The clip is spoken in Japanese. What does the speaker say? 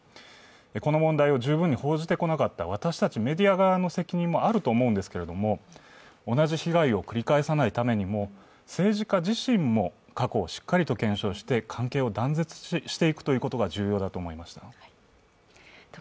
この問題を十分に報じてこなかった私たちメディア側の責任もあると思うんですけれども、同じ被害を繰り返さないためにも政治家自身も過去をしっかりと検証して、関係を断絶していくことが重要だと思います。